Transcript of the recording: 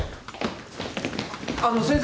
あの先生。